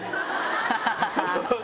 ハハハハ！